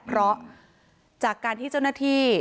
เพราะจากการที่เจ้าหน้าที่